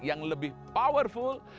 yang lebih powerful